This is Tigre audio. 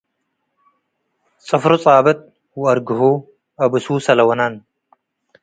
ጽፍሩ ጻብጥ ወአርግሁ - አቡሱሰ ለወነን